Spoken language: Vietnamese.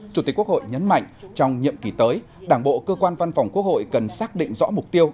chủ tịch quốc hội nhấn mạnh trong nhiệm kỳ tới đảng bộ cơ quan văn phòng quốc hội cần xác định rõ mục tiêu